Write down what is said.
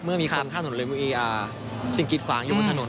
เมื่อมีคนข้ามถนนเรมูอีอร์สิงคลิตขวางอยู่บนถนน